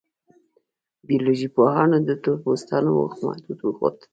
بیولوژي پوهانو د تور پوستانو هوښ محدود وښود.